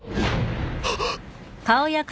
あっ！